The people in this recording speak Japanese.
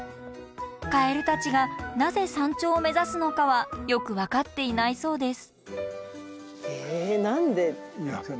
カエルたちがなぜ山頂を目指すのかはよく分かっていないそうです。